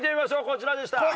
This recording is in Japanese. こちらでした。